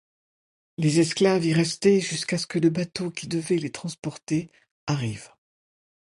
Les esclaves y restaient jusqu'à ce que le bateau qui devait les transporter arrive.